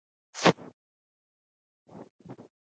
غرمه د دعا لپاره الهام راوړي